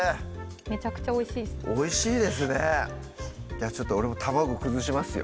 めちゃくちゃおいしいですおいしいですねじゃあちょっと俺も卵崩しますよ